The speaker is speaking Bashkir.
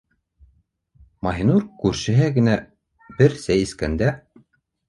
Маһинур күршеһе генә бер сәй эскәндә: